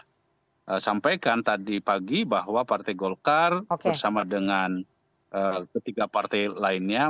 saya sampaikan tadi pagi bahwa partai golkar bersama dengan ketiga partai lainnya